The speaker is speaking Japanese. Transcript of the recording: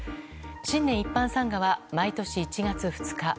新年一般参賀は毎年１月２日。